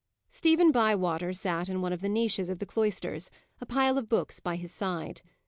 Stephen Bywater sat in one of the niches of the cloisters, a pile of books by his side.